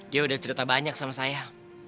dia sudah cerita banyak dengan saya